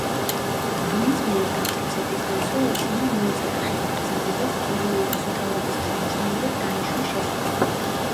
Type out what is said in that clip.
დუმის მიერ დამტკიცების დღესვე, ელცინმა მოაწერა ხელი ბრძანებას კირიენკოს მთავრობის თავმჯდომარედ დანიშვნის შესახებ.